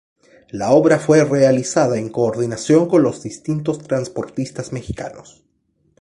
La obra fue realizada en coordinación con los distintos transportistas mexicanos.